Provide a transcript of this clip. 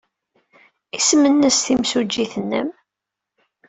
Isem-nnes timsujjit-nnem?